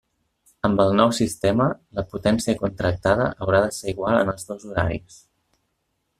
Amb el nou sistema, la potència contractada haurà de ser igual en els dos horaris.